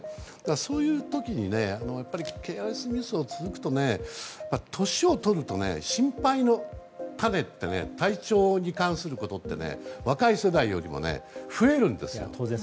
そういう時にやっぱりケアレスミスが続くと年を取るとね、心配の種ってね体調に関することってね若い世代よりも増えるんですよ。